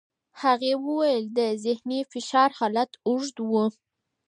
هغې وویل چې د ذهني فشار حالت اوږد و.